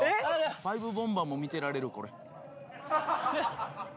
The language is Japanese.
ファイブボンバーも見てられるこれ。